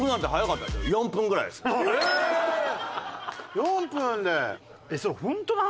４分で？